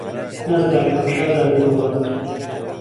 نازدارهکهم شازادهی دۆڵهڕووته